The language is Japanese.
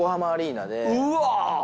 うわ！